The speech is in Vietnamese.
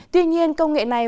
tuy nhiên công nghệ này